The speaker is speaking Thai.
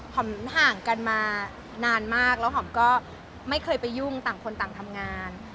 ห่างกันมานานมากแล้วหอมก็ไม่เคยไปยุ่งต่างคนต่างทำงาน